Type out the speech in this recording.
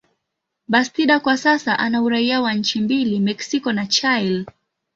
Bastida kwa sasa ana uraia wa nchi mbili, Mexico na Chile.